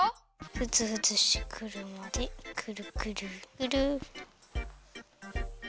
ふつふつしてくるまでくるくるくる。